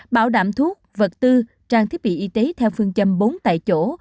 bảo đảm thuốc vật tư trang thiết bị y tế theo phương châm bốn tại chỗ